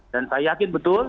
dan saya yakin betul